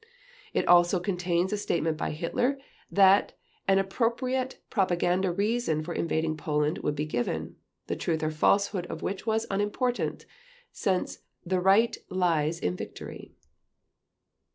It also contains a statement by Hitler that an appropriate propaganda reason for invading Poland would be given, the truth or falsehood of which was unimportant, since "the Right lies in Victory".